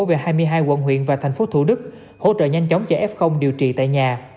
về hai mươi hai quận huyện và thành phố thủ đức hỗ trợ nhanh chóng cho f điều trị tại nhà